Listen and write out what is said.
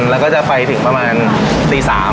และก็จะใกล้ถึงประมาณตี๓